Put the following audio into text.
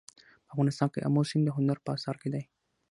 په افغانستان کې آمو سیند د هنر په اثار کې دی.